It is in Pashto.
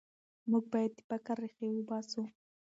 موږ باید د فقر ریښې وباسو.